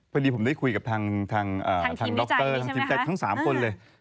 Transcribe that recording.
พอดีผมได้คุยกับทางดรทางทีมใจทั้ง๓คนเลย